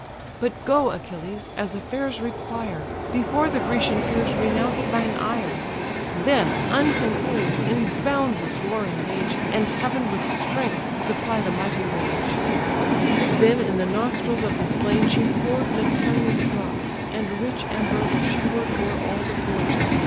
But go, Achilles, as affairs require, Before the Grecian peers renounce thine ire: Then uncontroll'd in boundless war engage, And heaven with strength supply the mighty rage!" THETIS BRINGING THE ARMOUR TO ACHILLES Then in the nostrils of the slain she pour'd Nectareous drops, and rich ambrosia shower'd O'er all the corse.